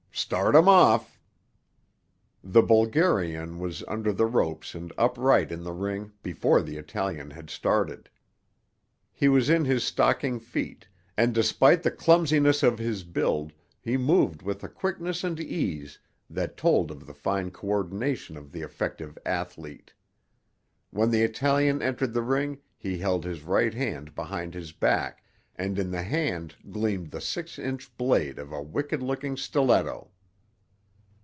Start 'em off." The Bulgarian was under the ropes and upright in the ring before the Italian had started. He was in his stocking feet, and despite the clumsiness of his build he moved with a quickness and ease that told of the fine co ordination of the effective athlete. When the Italian entered the ring he held his right hand behind his back, and in the hand gleamed the six inch blade of a wicked looking stiletto.